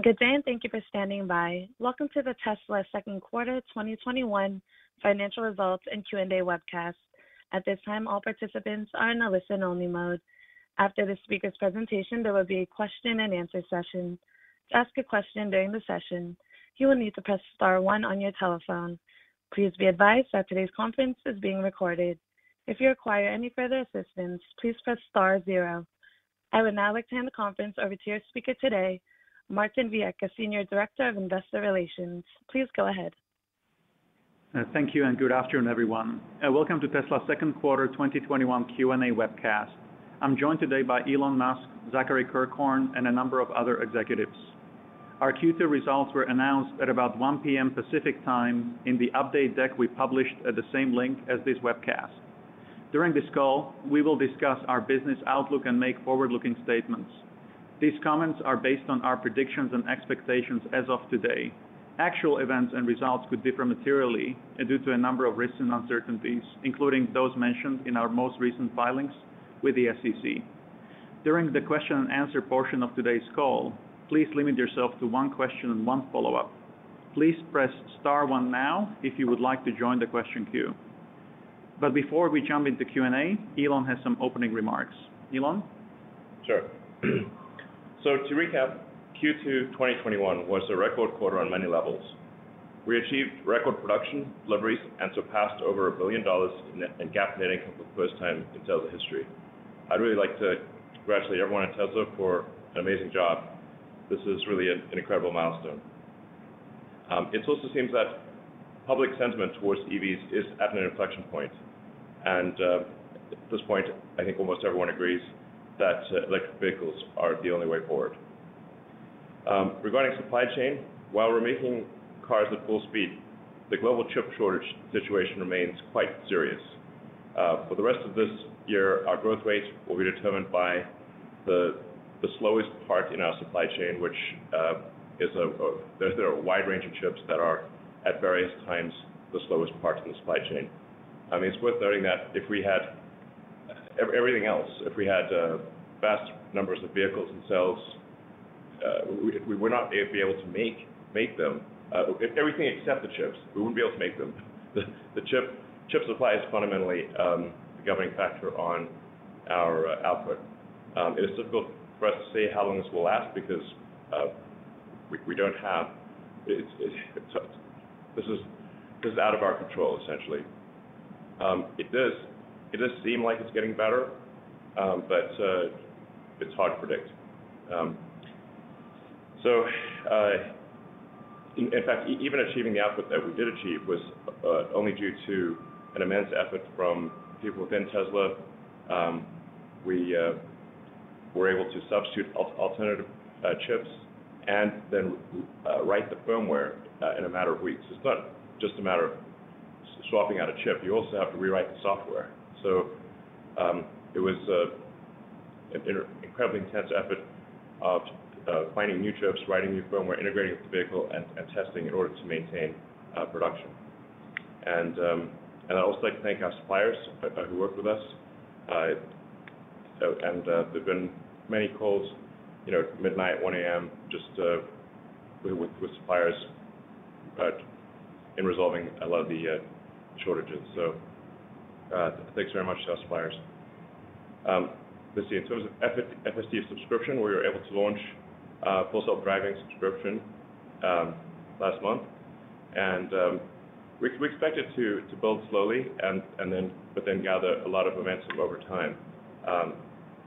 Good day, and thank you for standing by. Welcome to the Tesla second quarter 2021 financial results and Q&A webcast. At this time, all participants are in a listen only mode. After the speaker's presentation, there will be a question-and-answer session. I would now like to hand the conference over to your speaker today, Martin Viecha, Senior Director of Investor Relations. Please go ahead. Thank you, and good afternoon, everyone. Welcome to Tesla's second quarter 2021 Q&A webcast. I'm joined today by Elon Musk, Zachary Kirkhorn, and a number of other executives. Our Q2 results were announced at about 1:00 P.M. Pacific Time in the update deck we published at the same link as this webcast. During this call, we will discuss our business outlook and make forward-looking statements. These comments are based on our predictions and expectations as of today. Actual events and results could differ materially due to a number of risks and uncertainties, including those mentioned in our most recent filings with the SEC. During the question and answer portion of today's call, please limit yourself to one question and one follow-up. Please press star one now if you would like to join the question queue. Before we jump into Q&A, Elon has some opening remarks. Elon? Sure. To recap, Q2 2021 was a record quarter on many levels. We achieved record production, deliveries, and surpassed over $1 billion in GAAP net income for the first time in Tesla history. I'd really like to congratulate everyone at Tesla for an amazing job. This is really an incredible milestone. It also seems that public sentiment towards EVs is at an inflection point, and at this point, I think almost everyone agrees that electric vehicles are the only way forward. Regarding supply chain, while we're making cars at full speed, the global chip shortage situation remains quite serious. For the rest of this year, our growth rates will be determined by the slowest part in our supply chain, which there are a wide range of chips that are at various times the slowest part in the supply chain. It's worth noting that if we had everything else, if we had vast numbers of vehicles and cells, we would not be able to make them. Everything except the chips, we wouldn't be able to make them. The chip supply is fundamentally the governing factor on our output. It is difficult for us to say how long this will last because this is out of our control, essentially. It does seem like it's getting better, but it's hard to predict. In fact, even achieving the output that we did achieve was only due to an immense effort from people within Tesla. We were able to substitute alternative chips and then write the firmware in a matter of weeks. It's not just a matter of swapping out a chip. You also have to rewrite the software. It was an incredibly intense effort of finding new chips, writing new firmware, integrating with the vehicle, and testing in order to maintain production. I'd also like to thank our suppliers who worked with us. There've been many calls at midnight, 1:00 A.M., just with suppliers in resolving a lot of the shortages. Thanks very much to our suppliers. Let's see, in terms of FSD subscription, we were able to launch Full Self-Driving subscription last month, and we expect it to build slowly but then gather a lot of momentum over time.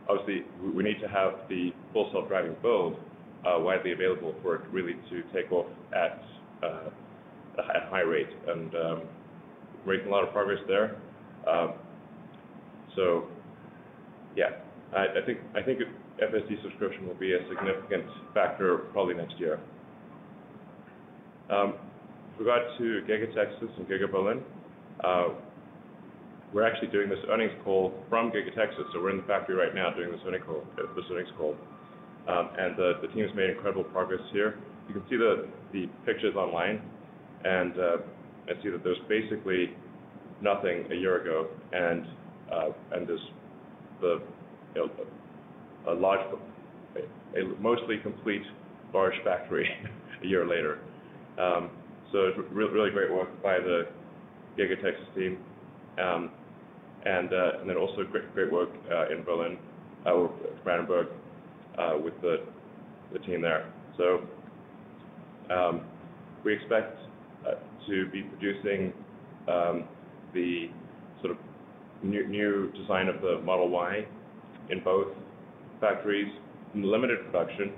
Obviously, we need to have the Full Self-Driving build widely available for it really to take off at a high rate, and we're making a lot of progress there. I think FSD subscription will be a significant factor probably next year. With regard to Giga Texas and Giga Berlin, we're actually doing this earnings call from Giga Texas, so we're in the factory right now doing this earnings call. The team has made incredible progress here. You can see the pictures online and see that there was basically nothing a year ago and a mostly complete large factory a year later. Really great work by the Giga Texas team. Then also great work in Berlin, Brandenburg, with the team there. We expect to be producing the sort of new design of the Model Y in both factories in limited production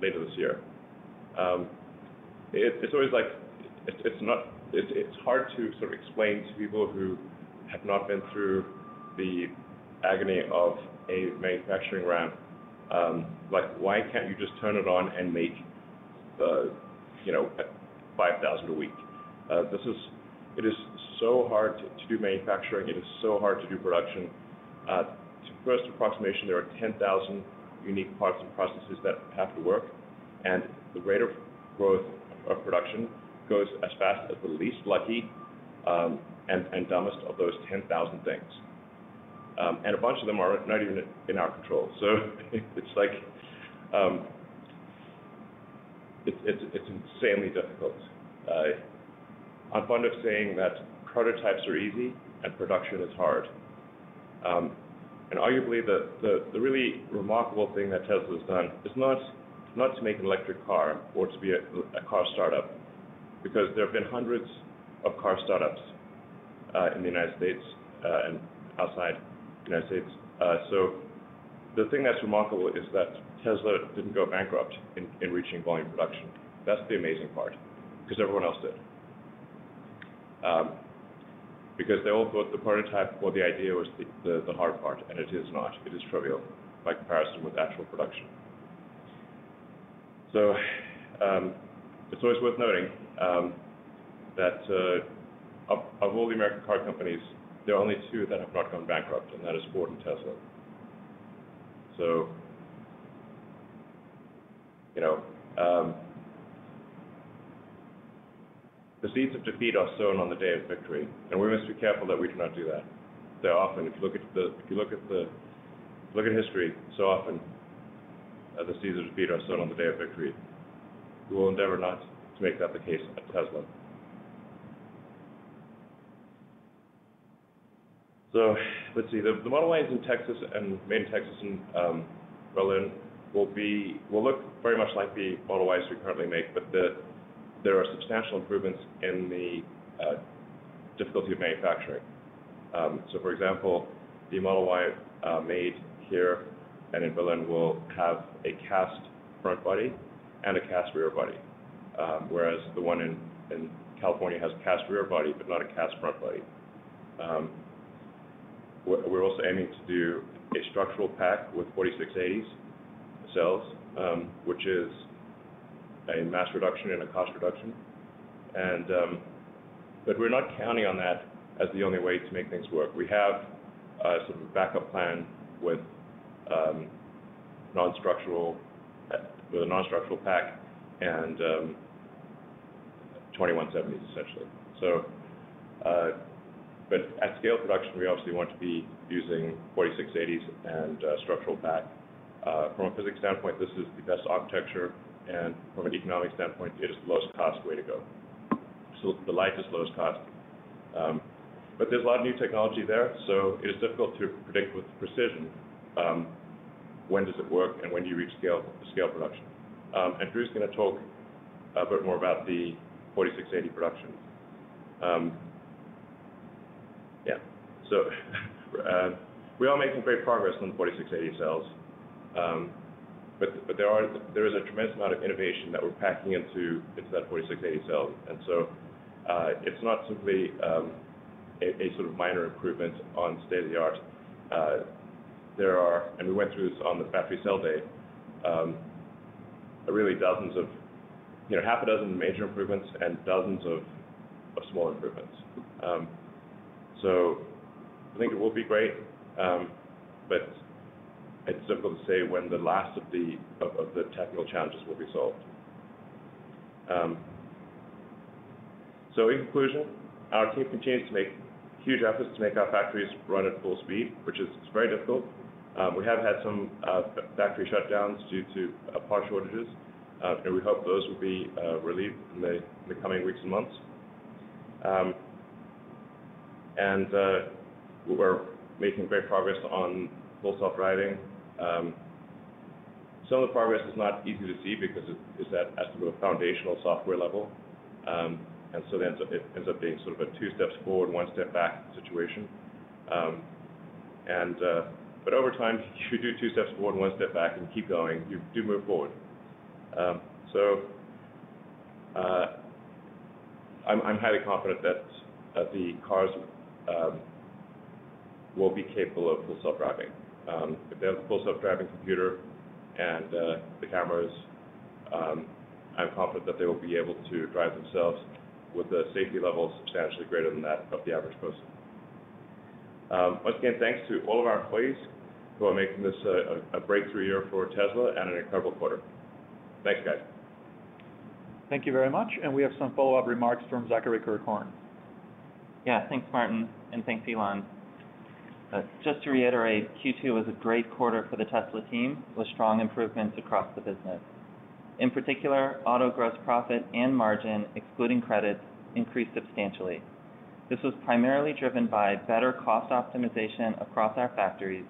later this year. It's hard to sort of explain to people who have not been through the agony of a manufacturing ramp, like why can't you just turn it on and make 5,000 a week. It is so hard to do manufacturing. It is so hard to do production. To the first approximation, there are 10,000 unique parts and processes that have to work, and the rate of growth of production goes as fast as the least lucky and dumbest of those 10,000 things. A bunch of them are not even in our control. It's insanely difficult. I'm fond of saying that prototypes are easy and production is hard. Arguably, the really remarkable thing that Tesla's done is not to make an electric car or to be a car startup, because there have been hundreds of car startups in the United States and outside the United States. The thing that's remarkable is that Tesla didn't go bankrupt in reaching volume production. That's the amazing part, because everyone else did. They all thought the prototype or the idea was the hard part, and it is not. It is trivial by comparison with actual production. It's always worth noting that of all the American car companies, there are only two that have not gone bankrupt, and that is Ford and Tesla. The seeds of defeat are sown on the day of victory, and we must be careful that we do not do that. If you look at history, so often the seeds of defeat are sown on the day of victory. We will endeavor not to make that the case at Tesla. Let's see. The Model Ys in Texas, main Texas and Berlin, will look very much like the Model Ys we currently make, but there are substantial improvements in the difficulty of manufacturing. For example, the Model Y made here and in Berlin will have a cast front body and a cast rear body, whereas the one in California has a cast rear body but not a cast front body. We're also aiming to do a structural pack with 4680 cells, which is a mass reduction and a cost reduction. We're not counting on that as the only way to make things work. We have a sort of backup plan with a non-structural pack and 2170s, essentially. At scale production, we obviously want to be using 4680s and a structural pack. From a physics standpoint, this is the best architecture, and from an economic standpoint, it is the lowest cost way to go. The lightest, lowest cost. There's a lot of new technology there, so it is difficult to predict with precision when does it work and when do you reach scale production. Drew's going to talk a bit more about the 4680 production. Yeah. We are making great progress on the 4680 cells, but there is a tremendous amount of innovation that we're packing into that 4680 cell. It's not simply a sort of minor improvement on state-of-the-art. There are, and we went through this on the Battery Cell Day, really half a dozen major improvements and dozens of small improvements. I think it will be great, but it's difficult to say when the last of the technical challenges will be solved. In conclusion, our team continues to make huge efforts to make our factories run at full speed, which is very difficult. We have had some factory shutdowns due to parts shortages, and we hope those will be relieved in the coming weeks and months. We're making great progress on Full Self-Driving. Some of the progress is not easy to see because it is at the foundational software level. It ends up being sort of a two steps forward, one step back situation. Over time, if you do two steps forward and one step back and keep going, you do move forward. I'm highly confident that the cars will be capable of Full Self-Driving. If they have a Full Self-Driving computer and the cameras, I'm confident that they will be able to drive themselves with a safety level substantially greater than that of the average person. Once again, thanks to all of our employees who are making this a breakthrough year for Tesla and an incredible quarter. Thanks, guys. Thank you very much. We have some follow-up remarks from Zachary Kirkhorn. Thanks, Martin, and thanks, Elon. Just to reiterate, Q2 was a great quarter for the Tesla team, with strong improvements across the business. In particular, auto gross profit and margin, excluding credits, increased substantially. This was primarily driven by better cost optimization across our factories,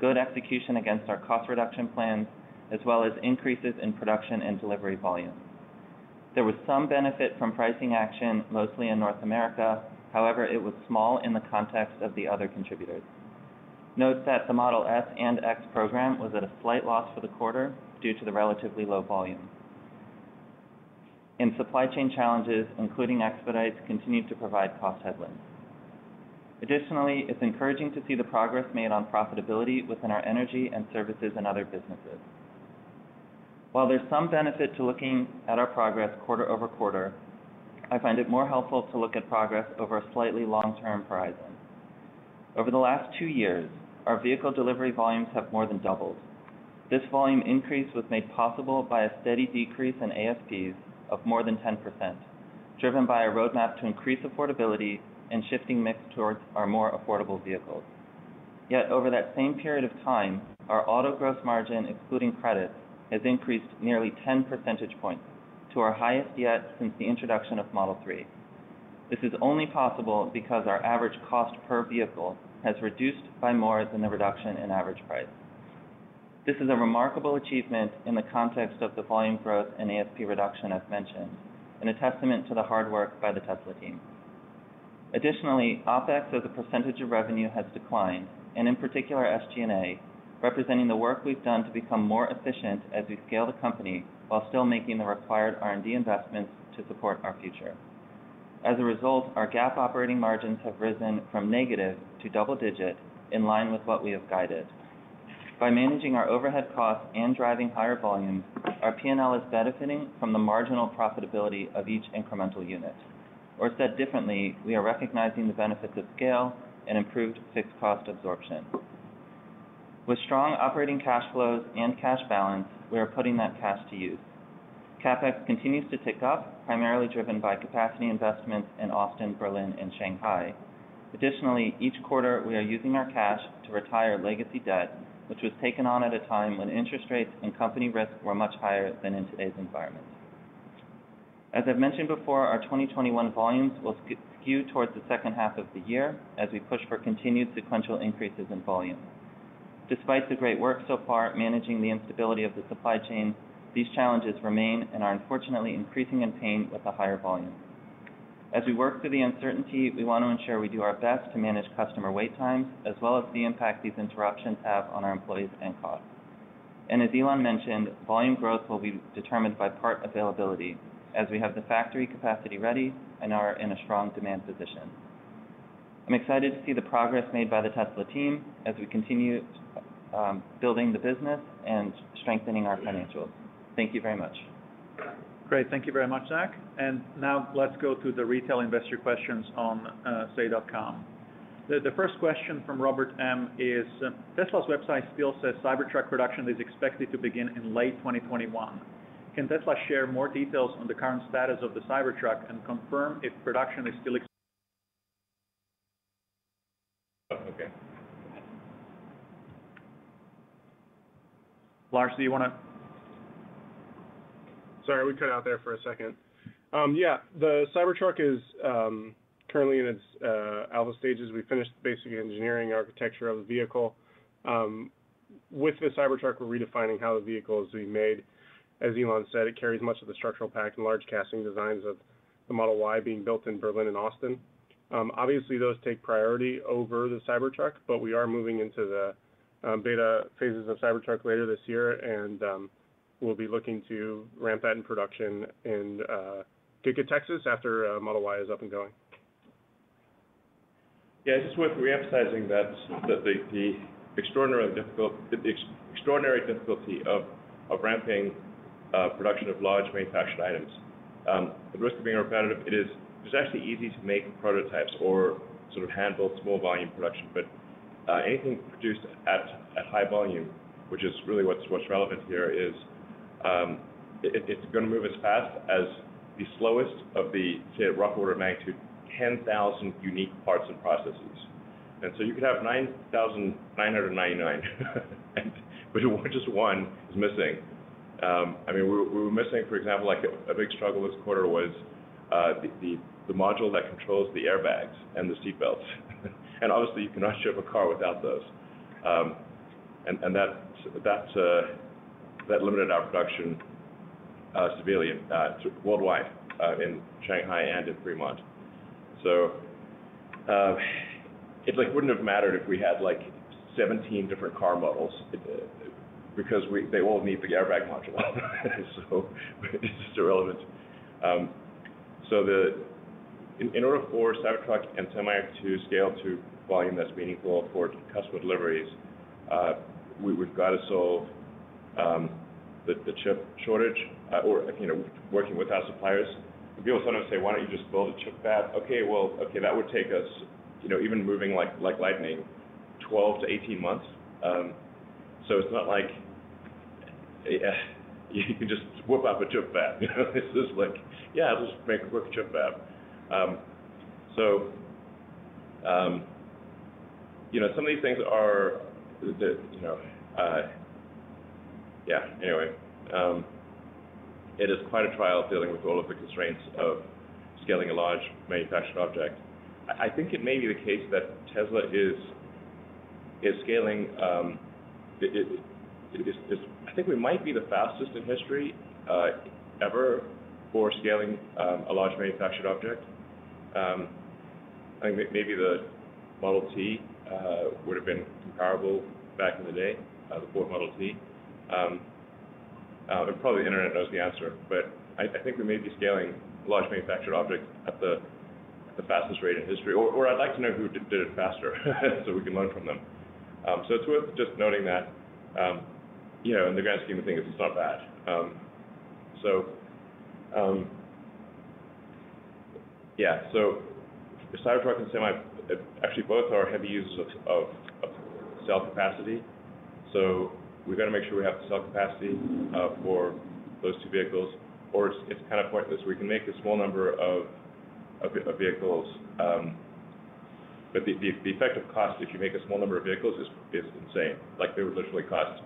good execution against our cost reduction plans, as well as increases in production and delivery volumes. There was some benefit from pricing action, mostly in North America. It was small in the context of the other contributors. Note that the Model S and X program was at a slight loss for the quarter due to the relatively low volume. Supply chain challenges, including expedites, continued to provide cost headwinds. Additionally, it's encouraging to see the progress made on profitability within our energy and services and other businesses. While there's some benefit to looking at our progress quarter over quarter, I find it more helpful to look at progress over a slightly longer-term horizon. Over the last two years, our vehicle delivery volumes have more than doubled. This volume increase was made possible by a steady decrease in ASPs of more than 10%, driven by a roadmap to increase affordability and shifting mix towards our more affordable vehicles. Yet over that same period of time, our auto gross margin, excluding credits, has increased nearly 10 percentage points to our highest yet since the introduction of Model 3. This is only possible because our average cost per vehicle has reduced by more than the reduction in average price. This is a remarkable achievement in the context of the volume growth and ASP reduction as mentioned, and a testament to the hard work by the Tesla team. Additionally, OpEx as a percentage of revenue has declined, and in particular SG&A, representing the work we've done to become more efficient as we scale the company, while still making the required R&D investments to support our future. Our GAAP operating margins have risen from negative to double-digit, in line with what we have guided. By managing our overhead costs and driving higher volumes, our P&L is benefiting from the marginal profitability of each incremental unit. Said differently, we are recognizing the benefits of scale and improved fixed cost absorption. With strong operating cash flows and cash balance, we are putting that cash to use. CapEx continues to tick up, primarily driven by capacity investments in Austin, Berlin, and Shanghai. Additionally, each quarter we are using our cash to retire legacy debt, which was taken on at a time when interest rates and company risk were much higher than in today's environment. As I've mentioned before, our 2021 volumes will skew towards the second half of the year as we push for continued sequential increases in volume. Despite the great work so far managing the instability of the supply chain, these challenges remain and are unfortunately increasing in pain with the higher volume. As we work through the uncertainty, we want to ensure we do our best to manage customer wait times, as well as the impact these interruptions have on our employees and costs. As Elon mentioned, volume growth will be determined by part availability, as we have the factory capacity ready and are in a strong demand position. I'm excited to see the progress made by the Tesla team as we continue building the business and strengthening our financials. Thank you very much. Great. Thank you very much, Zach. Now let's go to the retail investor questions on say.com. The first question from Robert M. is, "Tesla's website still says Cybertruck production is expected to begin in late 2021. Can Tesla share more details on the current status of the Cybertruck and confirm if production is still ex-." Okay. Lars, do you want to? Sorry, we cut out there for a second. Yeah. The Cybertruck is currently in its alpha stages. We've finished the basic engineering architecture of the vehicle. With the Cybertruck, we're redefining how the vehicle is being made. As Elon said, it carries much of the structural pack and large casting designs of the Model Y being built in Berlin and Austin. Obviously, those take priority over the Cybertruck, but we are moving into the beta phases of Cybertruck later this year, and we'll be looking to ramp that in production in Giga Texas after Model Y is up and going. Yeah, it's just worth reemphasizing the extraordinary difficulty of ramping production of large manufactured items. At the risk of being repetitive, it is actually easy to make prototypes or sort of handle small volume production, but anything produced at high volume, which is really what's relevant here, is it's going to move as fast as the slowest of the, say, at rough order of magnitude, 10,000 unique parts and processes. You could have 9,999, but just one is missing. We were missing, for example, a big struggle this quarter was the module that controls the airbags and the seat belts. Obviously, you cannot ship a car without those. That limited our production significantly worldwide, in Shanghai and in Fremont. It wouldn't have mattered if we had 17 different car models, because they all need the airbag module. It's just irrelevant. In order for Cybertruck and Semi to scale to volume that's meaningful for customer deliveries, we've got to solve the chip shortage or working with our suppliers. People sometimes say, "Why don't you just build a chip fab?" Okay, well, that would take us, even moving like lightning, 12 months-18 months. It's not like you can just whip up a chip fab. It's just like, "Yeah, we'll just make a quick chip fab." It is quite a trial dealing with all of the constraints of scaling a large manufactured object. I think we might be the fastest in history ever for scaling a large manufactured object. I think maybe the Model T would've been comparable back in the day, the Ford Model T. Probably the internet knows the answer. I think we may be scaling large manufactured objects at the fastest rate in history, or I'd like to know who did it faster so we can learn from them. It's worth just noting that in the grand scheme of things, it's not bad. Yeah. The Cybertruck and Semi, actually both are heavy users of cell capacity. We've got to make sure we have the cell capacity for those two vehicles, or it's kind of pointless. We can make a small number of vehicles, but the effective cost if you make a small number of vehicles is insane. They would literally cost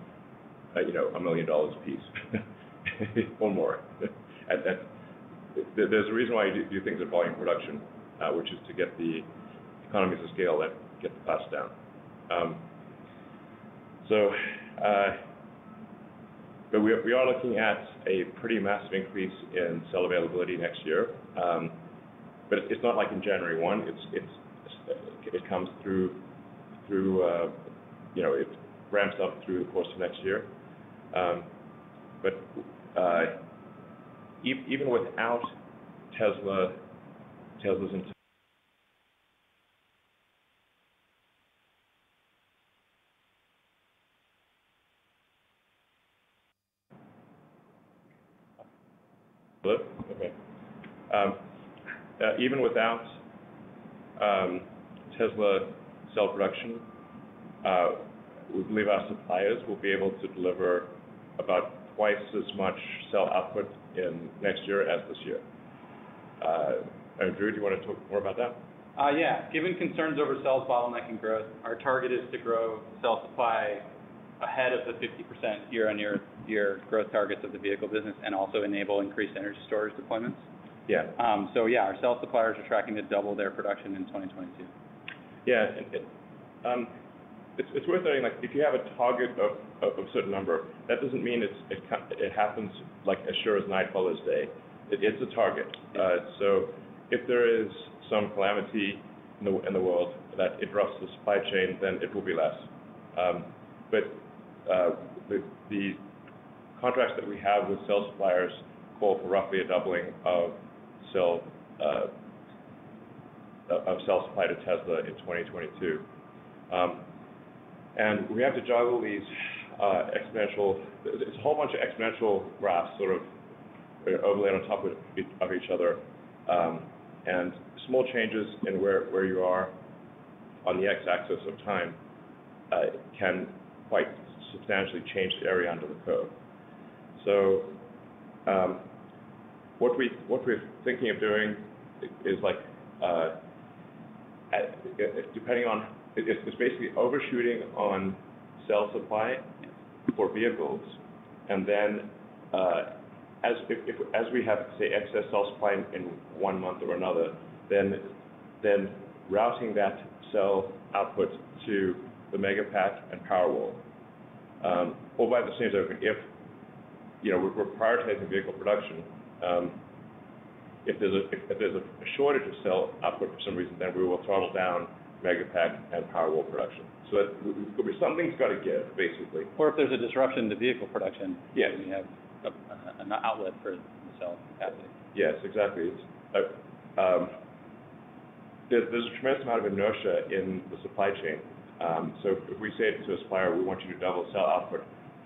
$1 million a piece or more. There's a reason why you do things at volume production, which is to get the economies of scale that get the cost down. We are looking at a pretty massive increase in cell availability next year. It's not like in January 1, it ramps up through the course of next year. Even without Tesla's Hello? Okay. Even without Tesla cell production, we believe our suppliers will be able to deliver about twice as much cell output in next year as this year. Drew, do you want to talk more about that? Yeah. Given concerns over cells bottlenecking growth, our target is to grow cell supply ahead of the 50% year-on-year growth targets of the vehicle business, and also enable increased energy storage deployments. Yeah. Yeah, our cell suppliers are tracking to double their production in 2022. Yeah. It's worth noting, if you have a target of a certain number, that doesn't mean it happens as sure as night follows day. It's a target. If there is some calamity in the world that disrupts the supply chain, then it will be less. The contracts that we have with cell suppliers call for roughly a doubling of cell supply to Tesla in 2022. We have to juggle these. There's a whole bunch of exponential graphs sort of overlaying on top of each other, and small changes in where you are on the x-axis of time can quite substantially change the area under the curve. What we're thinking of doing is, it's basically overshooting on cell supply for vehicles and then, as we have, say, excess cell supply in one month or another, then routing that cell output to the Megapack and Powerwall. All by the same token, we're prioritizing vehicle production. If there's a shortage of cell output for some reason, then we will throttle down Megapack and Powerwall production. Something's got to give, basically. If there's a disruption to vehicle production. Yeah We have an outlet for the cell capacity. Yes, exactly. There's a tremendous amount of inertia in the supply chain. If we say to a supplier, "We want you to double cell output,"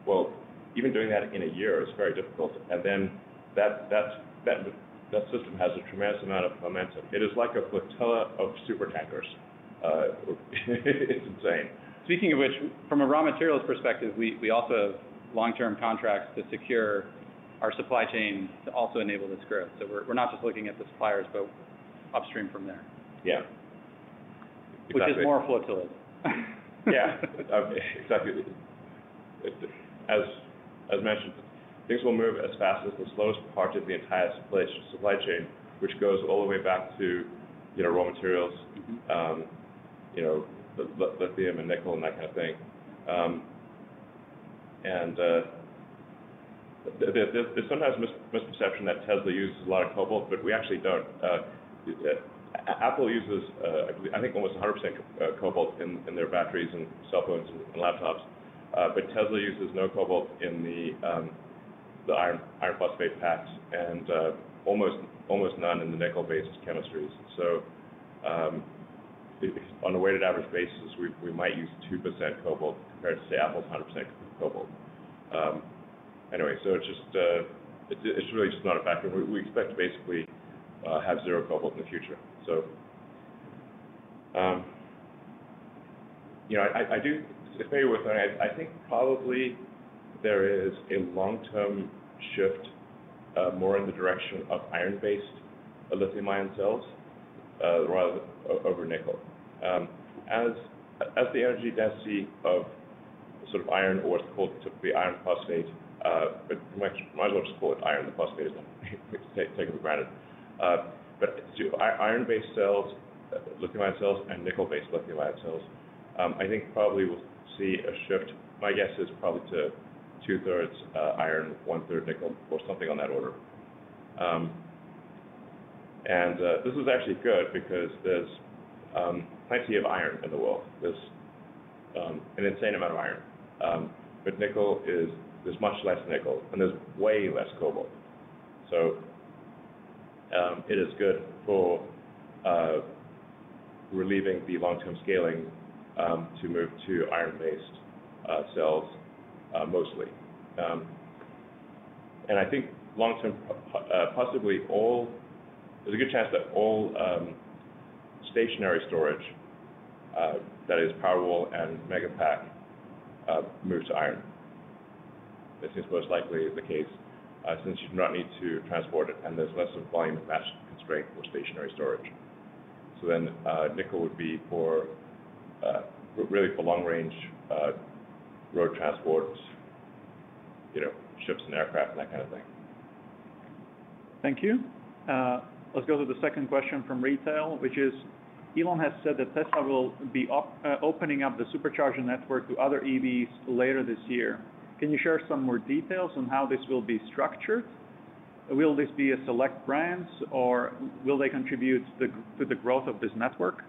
well, even doing that in a year is very difficult. That system has a tremendous amount of momentum. It is like a flotilla of supertankers. It's insane. Speaking of which, from a raw materials perspective, we also have long-term contracts to secure our supply chain to also enable this growth. We're not just looking at the suppliers, but upstream from there. Yeah. Exactly. Which is more flotilla. Yeah. Exactly. As mentioned, things will move as fast as the slowest part of the entire supply chain, which goes all the way back to raw materials. Lithium and nickel, that kind of thing. There's sometimes a misperception that Tesla uses a lot of cobalt, we actually don't. Apple uses, I think, almost 100% cobalt in their batteries in cell phones and laptops. Tesla uses no cobalt in the iron phosphate packs and almost none in the nickel-based chemistries. On a weighted average basis, we might use 2% cobalt compared to, say, Apple's 100% cobalt. Anyway, it's really just not a factor. We expect to basically have zero cobalt in the future. I do agree with that. I think probably there is a long-term shift more in the direction of iron-based lithium-ion cells rather over nickel. As the energy density of iron, or it's called typically iron phosphate, but you might as well just call it iron phosphate, it's taken for granted. Iron-based cells, lithium-ion cells, and nickel-based lithium-ion cells, I think probably we'll see a shift, my guess is probably to 2/3s iron, 1/3 nickel, or something on that order. This is actually good because there's plenty of iron in the world. There's an insane amount of iron. There's much less nickel, and there's way less cobalt. It is good for relieving the long-term scaling to move to iron-based cells, mostly. I think long-term, there's a good chance that all stationary storage, that is Powerwall and Megapack, moves to iron. This is most likely the case since you do not need to transport it, and there's less of a volume or mass constraint for stationary storage. Nickel would be for long-range road transport, ships and aircraft, and that kind of thing. Thank you. Let's go to the second question from retail, which is, Elon has said that Tesla will be opening up the Supercharger network to other EVs later this year. Can you share some more details on how this will be structured? Will this be a select brands, or will they contribute to the growth of this network?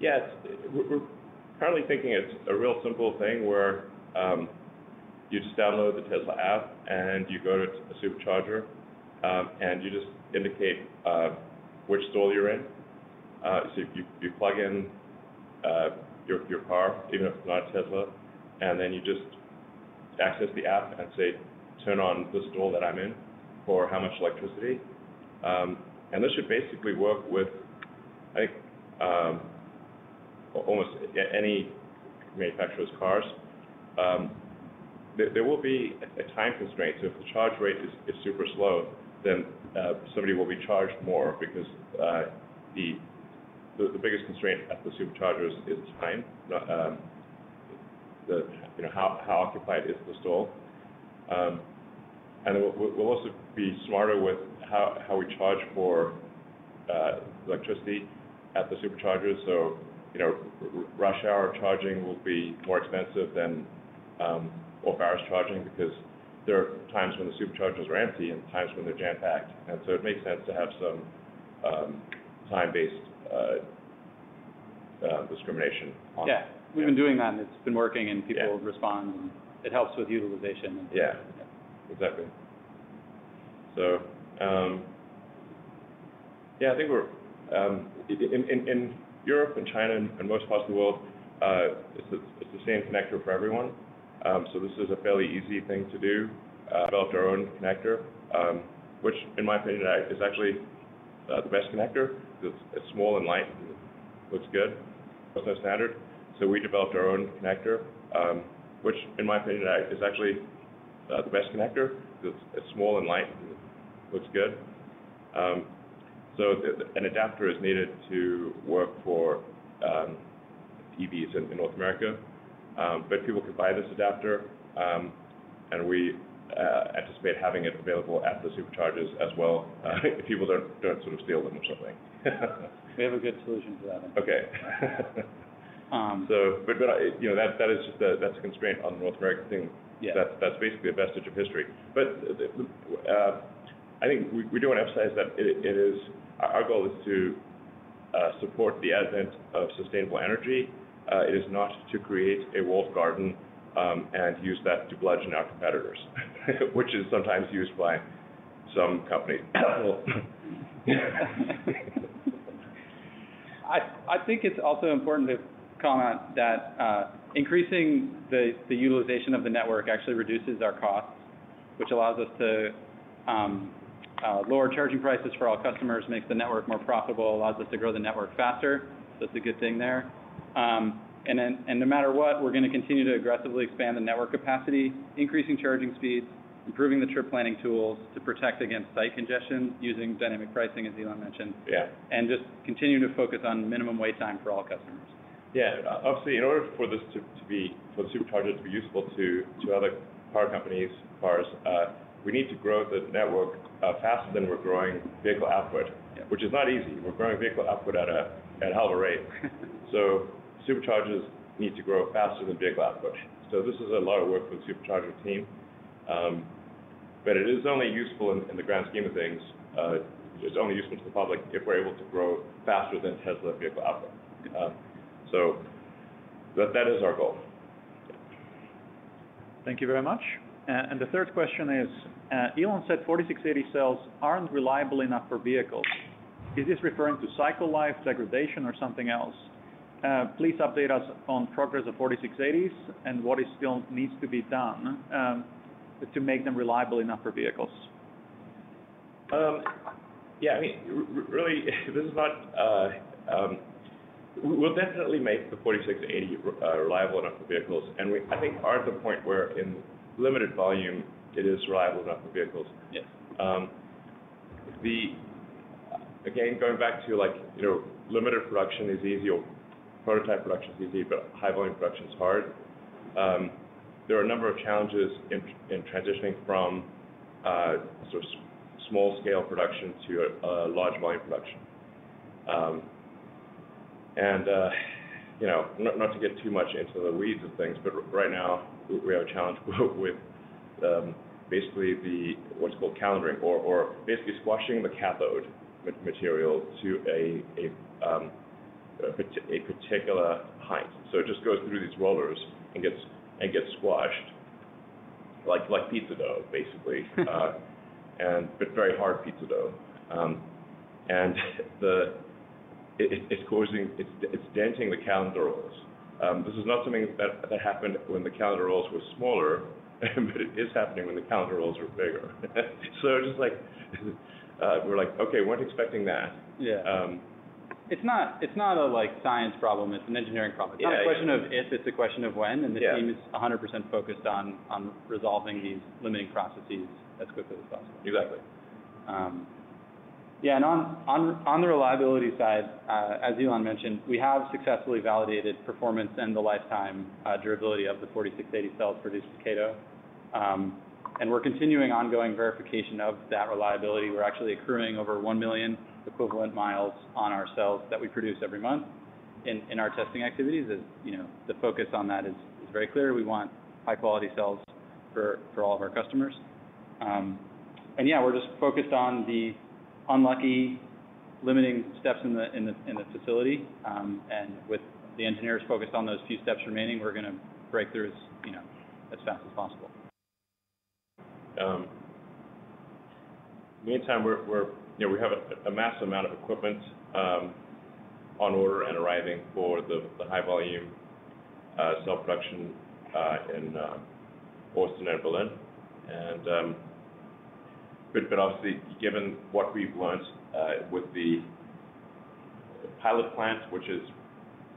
Yes. We're currently thinking it's a real simple thing where you just download the Tesla app, and you go to a Supercharger, and you just indicate which stall you're in. You plug in your car, even if it's not a Tesla, and then you just access the app and say, "Turn on the stall that I'm in for how much electricity". This should basically work with, I think, almost any manufacturer's cars. There will be a time constraint, so if the charge rate is super slow, then somebody will be charged more because the biggest constraint at the Superchargers is time. How occupied is the stall? We'll also be smarter with how we charge for electricity at the Superchargers. Rush hour charging will be more expensive than off-hours charging because there are times when the Superchargers are empty and times when they're jam-packed. It makes sense to have some time-based discrimination. Yeah. We've been doing that, and it's been working and people respond, and it helps with utilization. Yeah. Exactly. I think in Europe and China and most parts of the world, it's the same connector for everyone. This is a fairly easy thing to do. We developed our own connector, which in my opinion, is actually the best connector because it's small and light and looks good. There's no standard, so we developed our own connector, which in my opinion, is actually the best connector because it's small and light and looks good. An adapter is needed to work for EVs in North America, but people can buy this adapter, and we anticipate having it available at the Superchargers as well, if people don't steal them or something. We have a good solution for that. Okay. That's a constraint on the North American thing. Yeah. That's basically a vestige of history. I think we do want to emphasize that our goal is to support the advent of sustainable energy. It is not to create a walled garden and use that to bludgeon our competitors, which is sometimes used by some companies. I think it's also important to comment that increasing the utilization of the network actually reduces our costs, which allows us to lower charging prices for all customers, makes the network more profitable, allows us to grow the network faster. That's a good thing there. No matter what, we're going to continue to aggressively expand the network capacity, increasing charging speeds, improving the trip planning tools to protect against site congestion, using dynamic pricing, as Elon mentioned. Yeah. Just continuing to focus on minimum wait time for all customers. Yeah. Obviously, in order for the Superchargers to be useful to other car companies' cars, we need to grow the network faster than we're growing vehicle output. Yeah. Which is not easy. We're growing vehicle output at a hell of a rate. Superchargers need to grow faster than vehicle output. This is a lot of work for the Supercharger team. It is only useful in the grand scheme of things, it's only useful to the public if we're able to grow faster than Tesla vehicle output. Yeah. That is our goal. Thank you very much. The third question is, Elon said 4680 cells aren't reliable enough for vehicles. Is this referring to cycle life, degradation, or something else? Please update us on progress of 4680s and what still needs to be done to make them reliable enough for vehicles. Yeah. We'll definitely make the 4680 reliable enough for vehicles, and we, I think, are at the point where in limited volume it is reliable enough for vehicles. Yes. Again, going back to limited production is easy or prototype production's easy, but high volume production's hard. There are a number of challenges in transitioning from small-scale production to large volume production. Not to get too much into the weeds of things, but right now we have a challenge with basically what's called calendering or basically squashing the cathode material to a particular height. It just goes through these rollers and gets squashed, like pizza dough, basically. Very hard pizza dough. It's denting the calender rolls. This is not something that happened when the calender rolls were smaller, but it is happening when the calender rolls are bigger. We're like, "Okay, weren't expecting that. Yeah. It's not a science problem, it's an engineering problem. Yeah. It's not a question of if, it's a question of when. Yeah The team is 100% focused on resolving these limiting processes as quickly as possible. Exactly. Yeah, on the reliability side, as Elon mentioned, we have successfully validated performance and the lifetime durability of the 4680 cells produced at Kato. We're continuing ongoing verification of that reliability. We're actually accruing over one million equivalent miles on our cells that we produce every month in our testing activities. The focus on that is very clear. We want high-quality cells for all of our customers. Yeah, we're just focused on the unlucky limiting steps in the facility, and with the engineers focused on those few steps remaining, we're going to break through as fast as possible. Meantime, we have a massive amount of equipment on order and arriving for the high-volume cell production in Austin and Berlin. Obviously, given what we've learned with the pilot plant, which is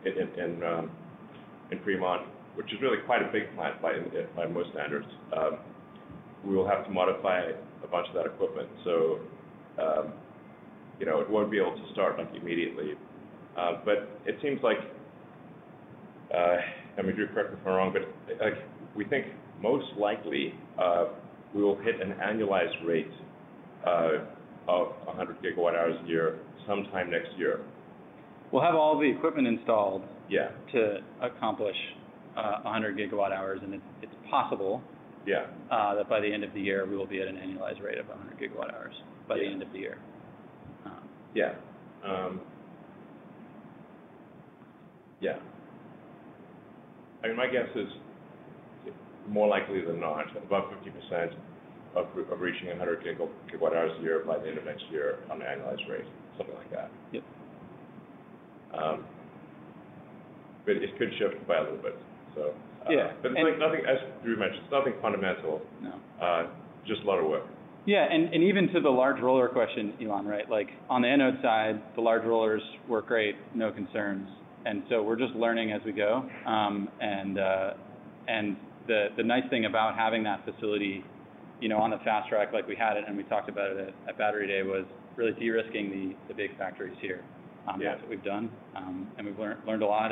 in Fremont, which is really quite a big plant by most standards, we will have to modify a bunch of that equipment. It won't be able to start immediately. It seems like, and Drew, correct me if I'm wrong, but we think most likely, we will hit an annualized rate of 100 gigawatt hours a year sometime next year. We'll have all the equipment installed. Yeah To accomplish 100 gigawatt hours, and it's possible. Yeah That by the end of the year, we will be at an annualized rate of 100 gigawatt hours. Yeah. By the end of the year. Yeah. Yeah. My guess is more likely than not, above 50% of reaching 100 gigawatt hours a year by the end of next year on an annualized rate, something like that. Yep. It could shift by a little bit. Yeah. As Drew mentioned, it's nothing fundamental. No. Just a lot of work. Yeah, and even to the large roller question, Elon, right? On the anode side, the large rollers work great. No concerns. We're just learning as we go. The nice thing about having that facility on the fast track like we had it, and we talked about it at Battery Day, was really de-risking the big factories here. Yeah. That's what we've done. We've learned a lot,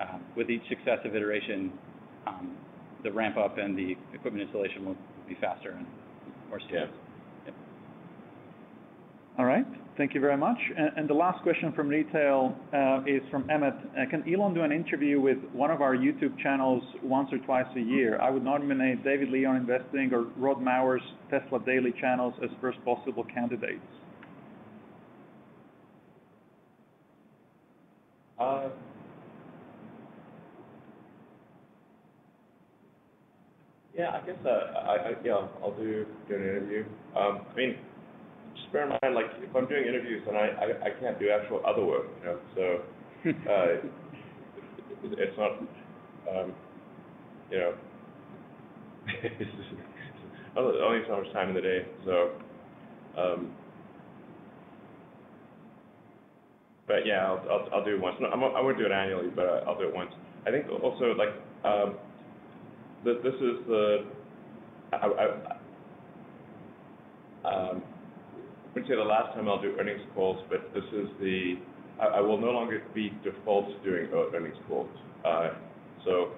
and with each successive iteration, the ramp-up and the equipment installation will be faster and more smooth. Yeah. All right. Thank you very much. The last question from retail is from Emmett. Can Elon do an interview with one of our YouTube channels once or twice a year? I would nominate Dave Lee on Investing or Rob Maurer's Tesla Daily channels as first possible candidates. I guess I'll do an interview. Just bear in mind, if I'm doing interviews, then I can't do actual other work. I only have so much time in the day. I'll do it once. No, I won't do it annually, but I'll do it once. I think also, I wouldn't say the last time I'll do earnings calls, but I will no longer be default doing earnings calls. Obviously,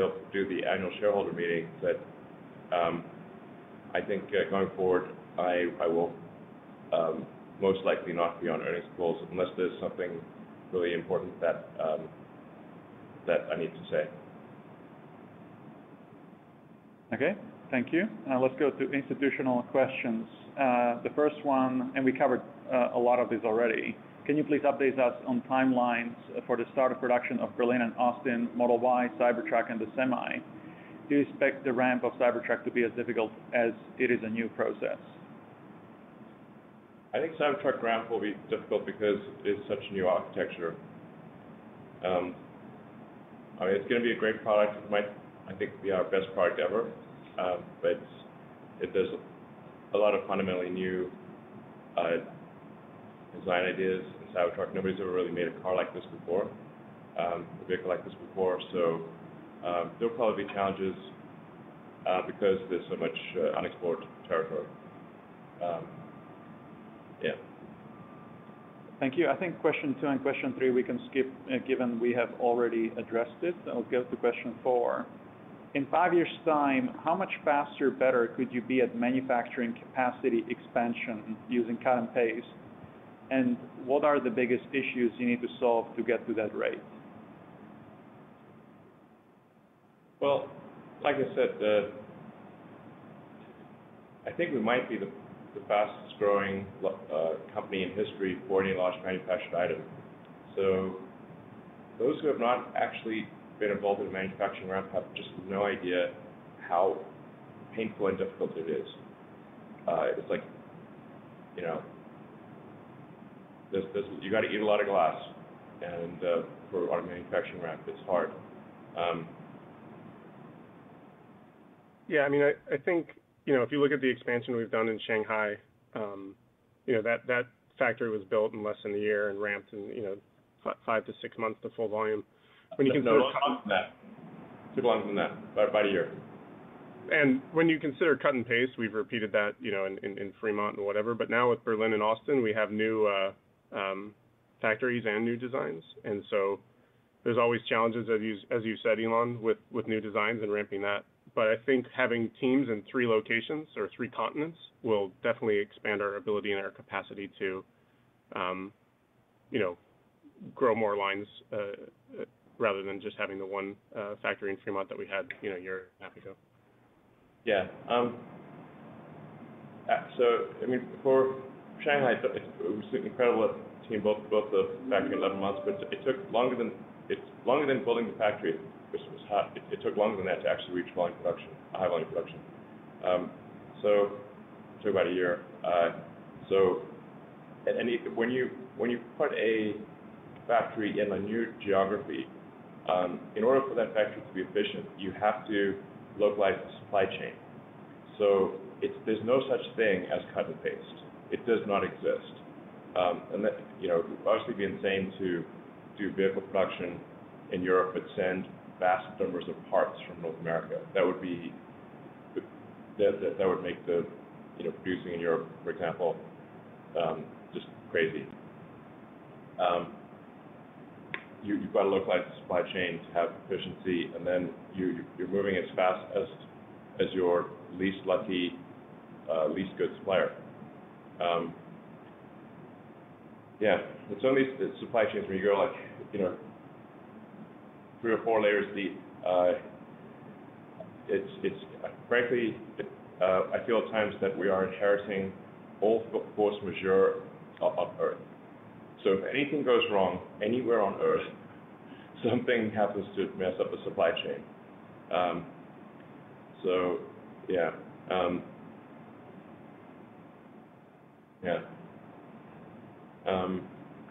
I'll do the annual shareholder meeting, but I think going forward, I will most likely not be on earnings calls unless there's something really important that I need to say. Okay. Thank you. Let's go to institutional questions. The first one. We covered a lot of these already. Can you please update us on timelines for the start of production of Berlin and Austin, Model Y, Cybertruck, and the Semi? Do you expect the ramp of Cybertruck to be as difficult, as it is a new process? I think Cybertruck ramp will be difficult because it's such a new architecture. It's going to be a great product. It might, I think, be our best product ever. There's a lot of fundamentally new design ideas in Cybertruck. Nobody's ever really made a car like this before, a vehicle like this before. There will probably be challenges because there's so much unexplored territory. Yeah. Thank you. I think question two and question three, we can skip, given we have already addressed it. I'll go to question four. In five years' time, how much faster/better could you be at manufacturing capacity expansion using cut and paste? What are the biggest issues you need to solve to get to that rate? Well, like I said, I think we might be the fastest-growing company in history for any large manufactured item. Those who have not actually been involved in a manufacturing ramp have just no idea how painful and difficult it is. It's like you've got to eat a lot of glass, and for our manufacturing ramp, it's hard. Yeah, I think if you look at the expansion we've done in Shanghai, that factory was built in less than a year and ramped in five to six months to full volume. When you consider. It took longer than that. Took longer than that, about one year. When you consider cut and paste, we've repeated that in Fremont and whatever. Now with Berlin and Austin, we have new factories and new designs. There's always challenges, as you said, Elon, with new designs and ramping that. I think having teams in three locations or three continents will definitely expand our ability and our capacity to grow more lines, rather than just having the one factory in Fremont that we had a year and a half ago. Yeah. For Shanghai, it was incredible what the team built the factory in 11 months. It took longer than building the factory, which was hard, it took longer than that to actually reach high volume production. It took about a year. When you put a factory in a new geography, in order for that factory to be efficient, you have to localize the supply chain. There's no such thing as cut and paste. It does not exist. It would largely be insane to do vehicle production in Europe but send vast numbers of parts from North America. That would make the producing in Europe, for example, just crazy. You've got to localize the supply chain to have efficiency, and then you're moving as fast as your least lucky, least good supplier. Some of these supply chains where you go three or four layers deep, frankly, I feel at times that we are inheriting all force majeure of Earth. If anything goes wrong anywhere on Earth, something happens to mess up a supply chain.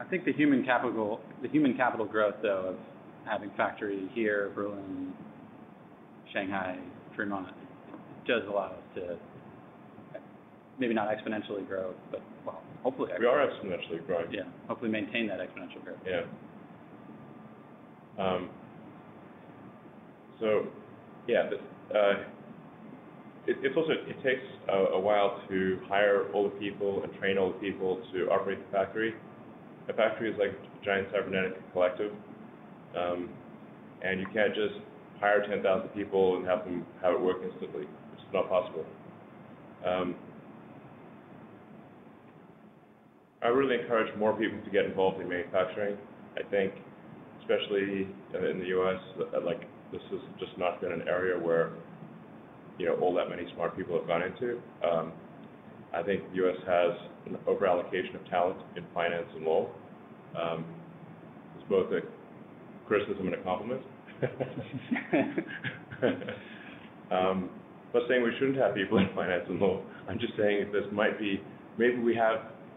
I think the human capital growth, though, of having factories here, Berlin, Shanghai, Fremont, does allow us to, maybe not exponentially grow, but well, hopefully exponentially grow. We are exponentially growing. Yeah. Hopefully maintain that exponential growth. Yeah. Yeah. It takes a while to hire all the people and train all the people to operate the factory. A factory is like a giant cybernetic collective, you can't just hire 10,000 people and have it working smoothly. It's just not possible. I really encourage more people to get involved in manufacturing. I think, especially in the U.S., this has just not been an area where all that many smart people have gone into. I think the U.S. has an overallocation of talent in finance and law. It's both a criticism and a compliment. I'm not saying we shouldn't have people in finance and law. I'm just saying maybe we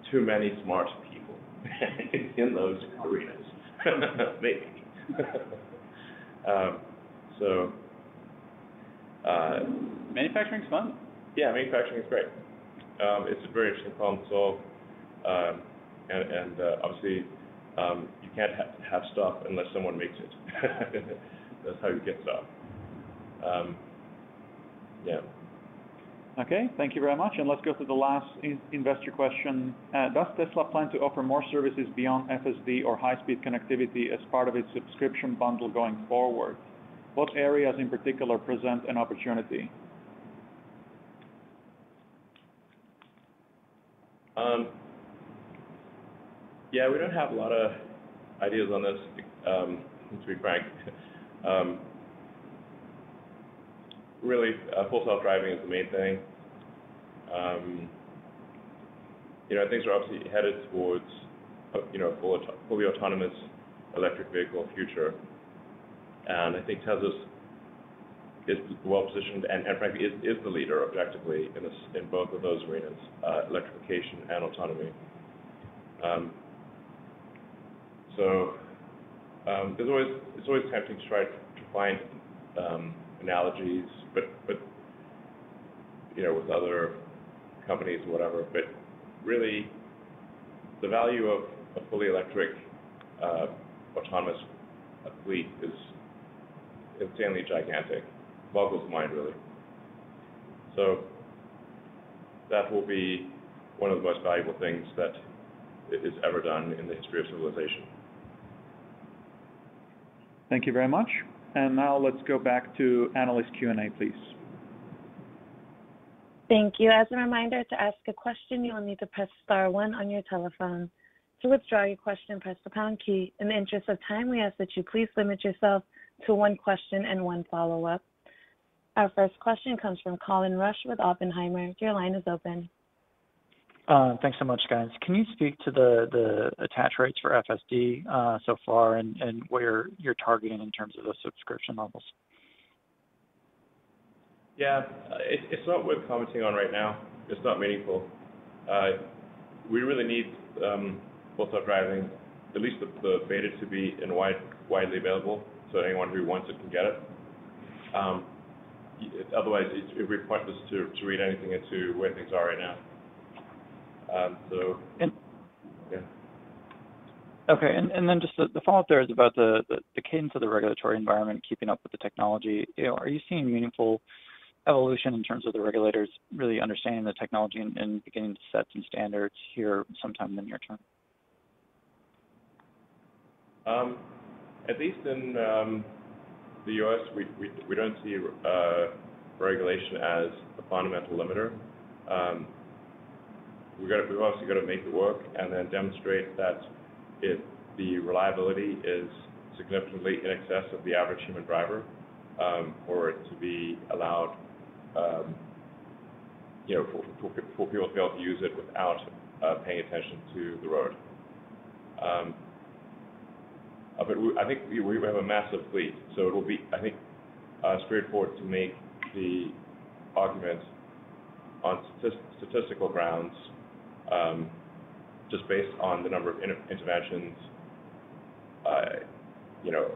have too many smart people in those arenas. Maybe. Manufacturing's fun. Yeah, manufacturing is great. It's a very interesting problem to solve. Obviously, you can't have stuff unless someone makes it. That's how you get stuff. Yeah. Okay. Thank you very much. Let's go to the last investor question. Does Tesla plan to offer more services beyond FSD or high-speed connectivity as part of its subscription bundle going forward? What areas in particular present an opportunity? Yeah, we don't have a lot of ideas on this, to be frank. Full Self-Driving is the main thing. Things are obviously headed towards a fully autonomous electric vehicle future. I think Tesla is well-positioned and, frankly, is the leader, objectively, in both of those arenas, electrification and autonomy. It's always tempting to try to find analogies with other companies or whatever. Really, the value of a fully electric autonomous fleet is insanely gigantic. Boggles the mind, really. That will be one of the most valuable things that is ever done in the history of civilization. Thank you very much. Now let's go back to analyst Q&A, please. Thank you. As a reminder, to ask a question, you will need to press star one on your telephone. To withdraw your question, press the pound key. In the interest of time, we ask that you please limit yourself to one question and one follow-up. Our first question comes from Colin Rusch with Oppenheimer. Your line is open. Thanks so much, guys. Can you speak to the attach rates for FSD so far and where you're targeting in terms of the subscription levels? Yeah. It's not worth commenting on right now. It's not meaningful. We really need Full Self-Driving, at least the beta, to be widely available so anyone who wants it can get it. Otherwise, it'd be pointless to read anything into where things are right now. Yeah. Okay. Just the follow-up there is about the cadence of the regulatory environment keeping up with the technology. Are you seeing meaningful evolution in terms of the regulators really understanding the technology and beginning to set some standards here sometime in the near term? At least in the U.S., we don't see regulation as a fundamental limiter. We've obviously got to make it work and then demonstrate that the reliability is significantly in excess of the average human driver for it to be allowed for people to be able to use it without paying attention to the road. I think we have a massive fleet, so I think it's straightforward to make the argument on statistical grounds just based on the number of interventions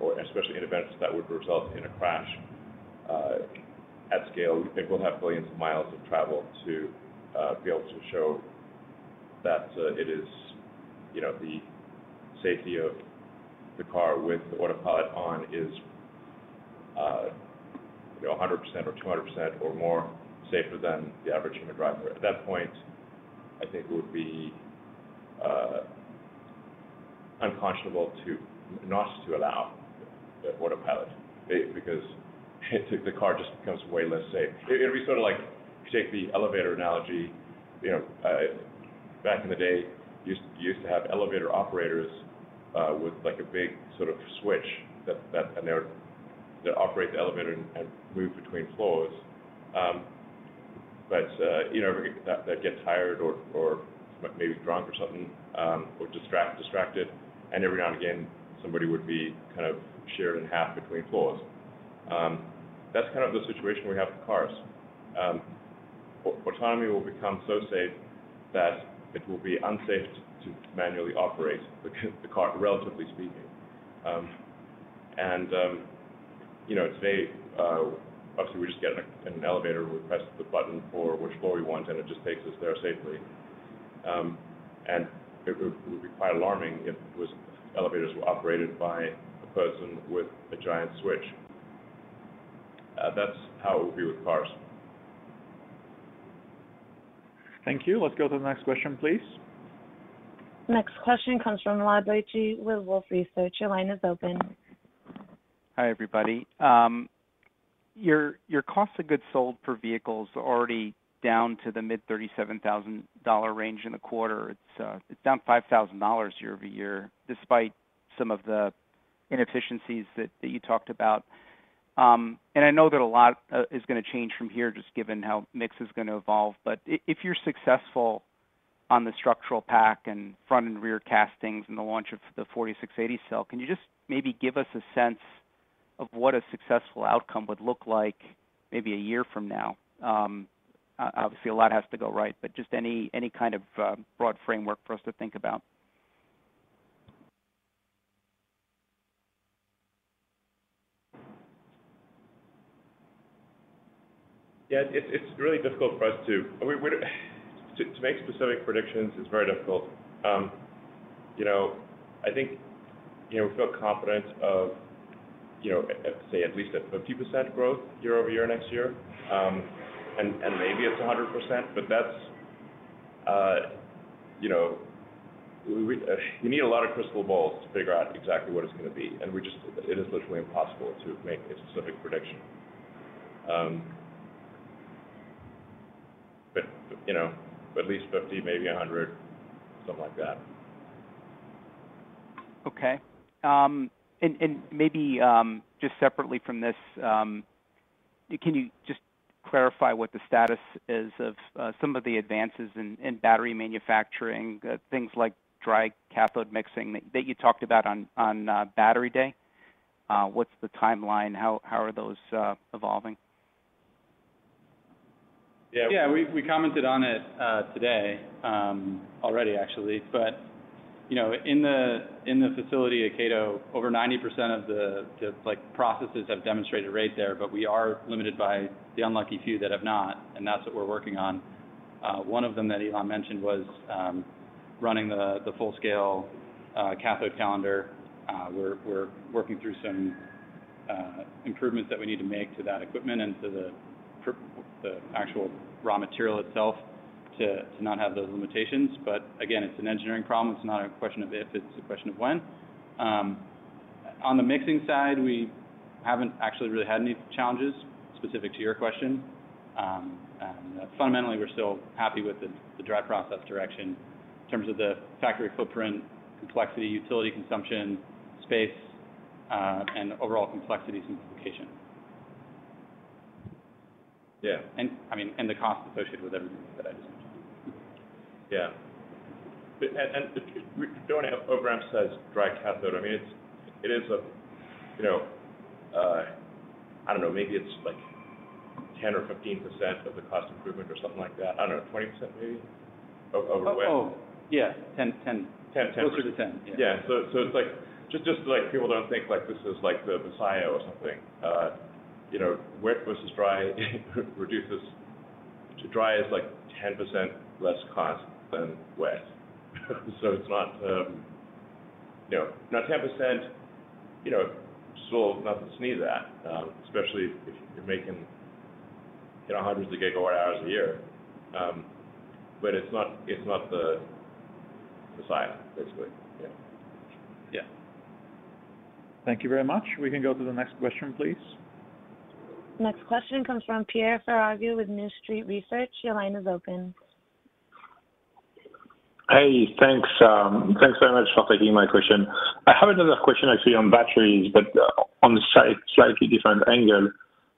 or especially events that would result in a crash at scale. I think we'll have billions of miles of travel to be able to show that the safety of the car with the Autopilot on is 100% or 200% or more safer than the average human driver. At that point, I think it would be unconscionable not to allow the Autopilot because the car just becomes way less safe. It'd be sort of like, if you take the elevator analogy, back in the day, you used to have elevator operators with a big switch that operates the elevator and moves between floors. That gets hired or maybe drunk or something or distracted, and every now and again, somebody would be sheared in half between floors. That's kind of the situation we have with cars. Autonomy will become so safe that it will be unsafe to manually operate the car, relatively speaking. Today, obviously, we just get in an elevator, we press the button for which floor we want, and it just takes us there safely. It would be quite alarming if elevators were operated by a person with a giant switch. That's how it would be with cars. Thank you. Let's go to the next question, please. Next question comes from Rod Lache with Wolfe Research. Your line is open. Hi, everybody. Your cost of goods sold per vehicle is already down to the mid-$37,000 range in the quarter. It's down $5,000 year-over-year, despite some of the inefficiencies that you talked about. I know that a lot is going to change from here, just given how mix is going to evolve. If you're successful on the structural pack and front and rear castings and the launch of the 4680 cell, can you just maybe give us a sense of what a successful outcome would look like maybe a year from now? Obviously, a lot has to go right, but just any kind of broad framework for us to think about. Yeah. To make specific predictions is very difficult. I think we feel confident of, say, at least a 50% growth year-over-year next year. Maybe it's 100%, but you need a lot of crystal balls to figure out exactly what it's going to be, and it is literally impossible to make a specific prediction. At least 50%, maybe 100%, something like that. Okay. Maybe just separately from this, can you just clarify what the status is of some of the advances in battery manufacturing, things like dry cathode mixing that you talked about on Battery Day? What's the timeline? How are those evolving? Yeah. We commented on it today already, actually. In the facility at Kato, over 90% of the processes have demonstrated rate there, but we are limited by the unlucky few that have not, and that's what we're working on. One of them that Elon mentioned was running the full-scale cathode calender. We're working through some improvements that we need to make to that equipment and to the actual raw material itself to not have those limitations. Again, it's an engineering problem. It's not a question of if, it's a question of when. On the mixing side, we haven't actually really had any challenges specific to your question. Fundamentally, we're still happy with the dry process direction in terms of the factory footprint, complexity, utility consumption, space, and overall complexity simplification. The cost associated with everything that I just mentioned. Yeah. We don't have to overemphasize dry cathode. I don't know, maybe it's 10% or 15% of the cost improvement or something like that. I don't know, 20%, maybe, of wet? Oh, yeah, 10%. 10%. Closer to 10%, yeah. Yeah. Just so people don't think this is the messiah or something. Wet versus dry reduces to dry is like 10% less cost than wet. It's not 10%, still nothing to sneeze at, especially if you're making hundreds of gigawatt hours a year. It's not the messiah, basically. Yeah. Thank you very much. We can go to the next question, please. Next question comes from Pierre Ferragu with New Street Research. Your line is open. Hey, thanks very much for taking my question. I have another question, actually, on batteries, but on a slightly different angle.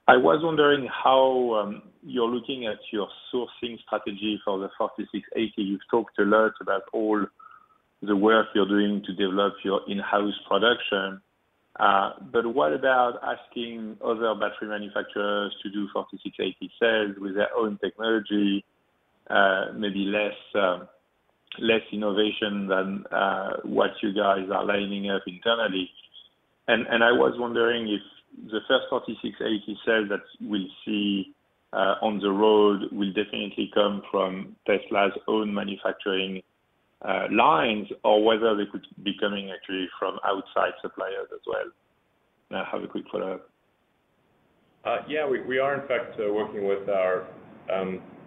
I was wondering how you're looking at your sourcing strategy for the 4680. You've talked a lot about all the work you're doing to develop your in-house production. What about asking other battery manufacturers to do 4680 cells with their own technology, maybe less innovation than what you guys are lining up internally. I was wondering if the first 4680 cell that we'll see on the road will definitely come from Tesla's own manufacturing lines, or whether they could be coming actually from outside suppliers as well. I have a quick follow-up. Yeah, we are in fact working with our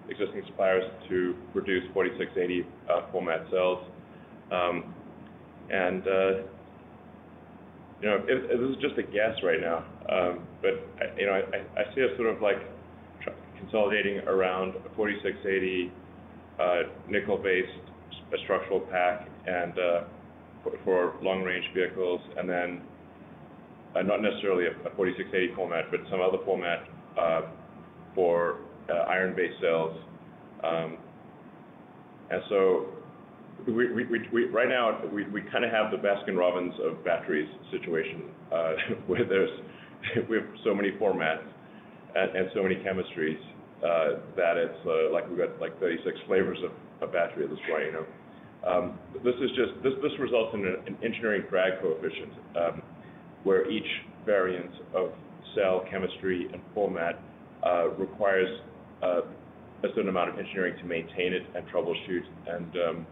existing suppliers to produce 4680 format cells. This is just a guess right now, but I see us sort of consolidating around a 4680 nickel-based structural pack for long-range vehicles, then not necessarily a 4680 format, but some other format for iron-based cells. Right now, we have the Baskin-Robbins of batteries situation, where we have so many formats and so many chemistries that it's like we've got 36 flavors of battery at this point. This results in an engineering drag coefficient, where each variance of cell chemistry and format requires a certain amount of engineering to maintain it and troubleshoot,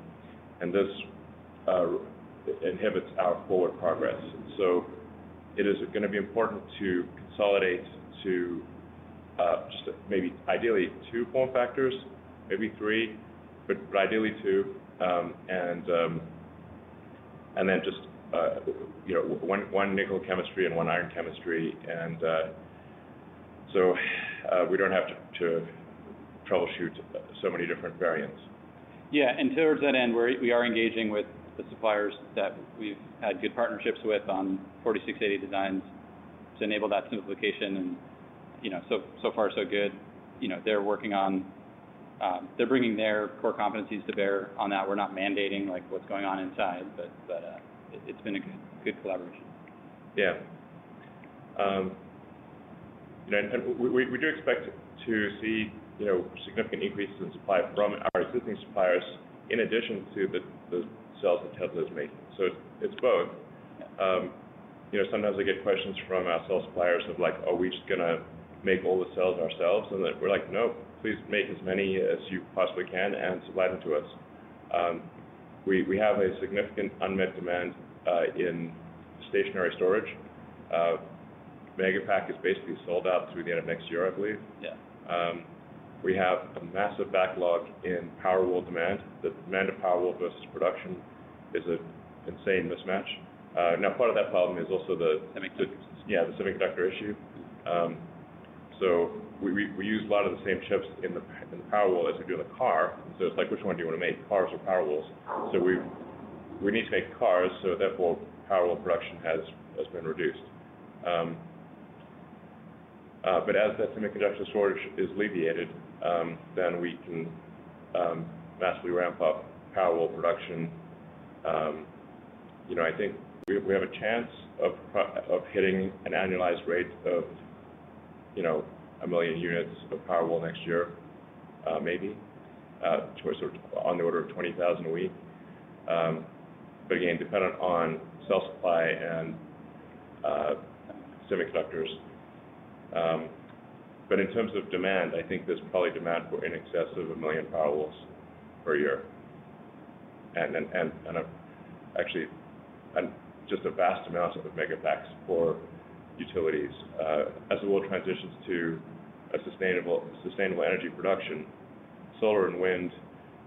and this inhibits our forward progress. It is going to be important to consolidate to maybe ideally two form factors, maybe three, but ideally two, and then just one nickel chemistry and one iron chemistry, and so we don't have to troubleshoot so many different variants. Yeah, towards that end, we are engaging with the suppliers that we've had good partnerships with on 4680 designs to enable that simplification, and so far so good. They're bringing their core competencies to bear on that. We're not mandating what's going on inside, but it's been a good collaboration. Yeah. We do expect to see significant increases in supply from our existing suppliers in addition to the cells that Tesla's making. It's both. Yeah. Sometimes we get questions from our cell suppliers of like, "Are we just going to make all the cells ourselves?" We're like, "No. Please make as many as you possibly can and supply them to us." We have a significant unmet demand in stationary storage. Megapack is basically sold out through the end of next year, I believe. Yeah. We have a massive backlog in Powerwall demand. The demand of Powerwall versus production is an insane mismatch. Part of that problem is also. Semiconductors Yeah, the semiconductor issue. We use a lot of the same chips in the Powerwall as we do in the car. It's like, which one do you want to make, cars or Powerwalls? We need to make cars, therefore, Powerwall production has been reduced. As that semiconductor shortage is alleviated, then we can massively ramp up Powerwall production. I think we have a chance of hitting an annualized rate of a million units of Powerwall next year, maybe, on the order of 20,000 a week. Again, dependent on cell supply and semiconductors. In terms of demand, I think there's probably demand for in excess of a million Powerwalls per year. Actually, just vast amounts of Megapacks for utilities. As the world transitions to a sustainable energy production, solar and wind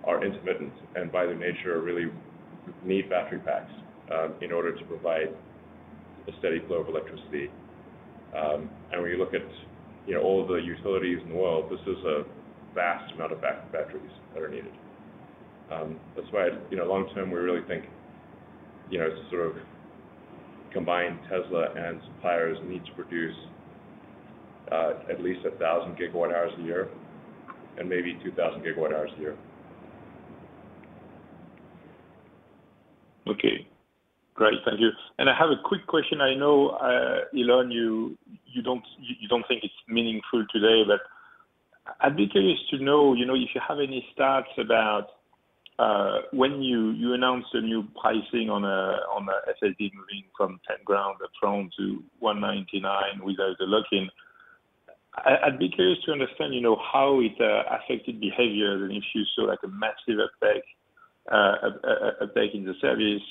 are intermittent, and by their nature, really need battery packs in order to provide a steady flow of electricity. When you look at all the utilities in the world, this is a vast amount of batteries that are needed. That's why long term, we really think combined, Tesla and suppliers need to produce at least 1,000 gigawatt hours a year and maybe 2,000 gigawatt hours a year. Okay, great. Thank you. I have a quick question. I know, Elon, you don't think it's meaningful today, but I'd be curious to know if you have any stats about when you announced the new pricing on the FSD moving from $10,000 upfront to $199 without the lock-in. I'd be curious to understand how it affected behavior and if you saw a massive uptake in the service.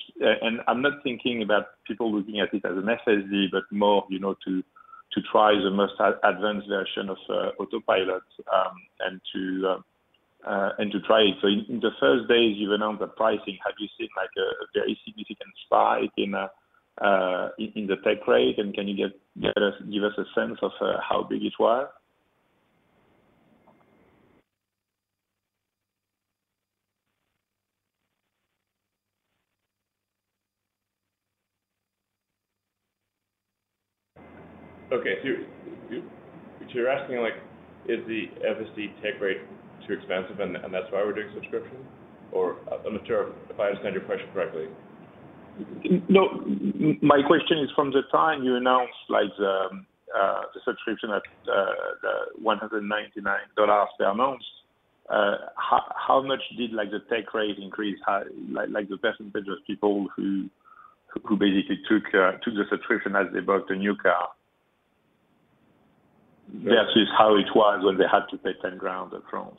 I'm not thinking about people looking at it as an FSD, but more to try the most advanced version of Autopilot and to try it. In the first days you announced the pricing, have you seen a very significant spike in the take rate? Can you give us a sense of how big it was? Okay. You're asking, is the FSD take rate too expensive, and that's why we're doing subscription? I'm not sure if I understand your question correctly. No, my question is from the time you announced the subscription at the $199 announced, how much did the take rate increase? The percentage of people who basically took the subscription as they bought the new car versus how it was when they had to pay $10,000 upfront.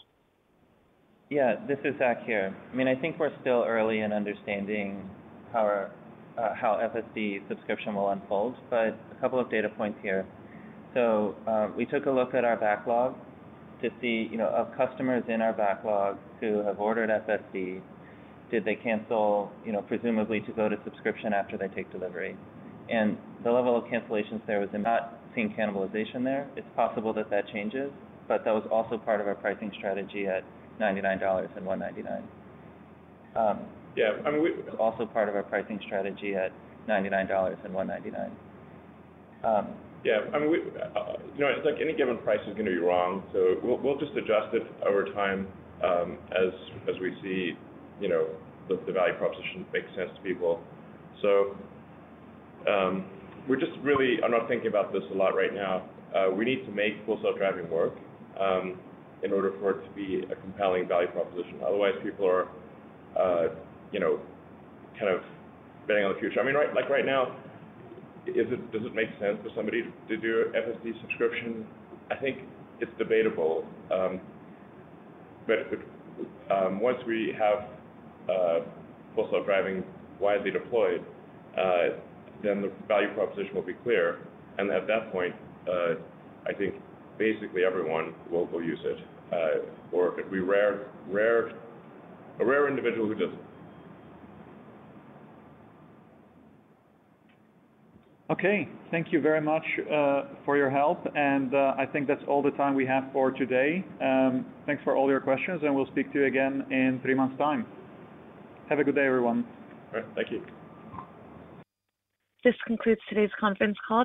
Yeah. This is Zach here. I think we're still early in understanding how FSD subscription will unfold, but a couple of data points here. We took a look at our backlog to see, of customers in our backlog who have ordered FSD, did they cancel, presumably to go to subscription after they take delivery? The level of cancellations there, we're not seeing cannibalization there. It's possible that that changes, but that was also part of our pricing strategy at $99 and $199. Yeah. Also part of our pricing strategy at $99 and $199. Yeah. It's like any given price is going to be wrong. We'll just adjust it over time, as we see the value proposition make sense to people. I'm not thinking about this a lot right now. We need to make Full Self-Driving work in order for it to be a compelling value proposition. Otherwise, people are kind of betting on the future. Right now, does it make sense for somebody to do an FSD subscription? I think it's debatable. Once we have Full Self-Driving widely deployed, then the value proposition will be clear. At that point, I think basically everyone will use it. It'd be a rare individual who doesn't. Okay. Thank you very much for your help. I think that's all the time we have for today. Thanks for all your questions and we'll speak to you again in three months' time. Have a good day, everyone. All right. Thank you. This concludes today's conference call.